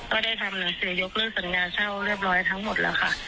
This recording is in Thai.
ได้ทำหนังสือยกเลิกสัญญาเช่าเรียบร้อยทั้งหมดแล้วค่ะ